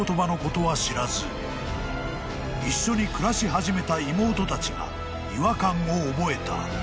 ［一緒に暮らし始めた妹たちが違和感を覚えた］